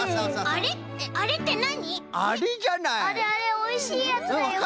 あれあれおいしいやつだよ。